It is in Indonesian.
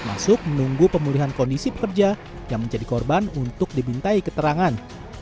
masuk menunggu pemulihan kondisi pekerja yang menjadi korban untuk dibintai keterangan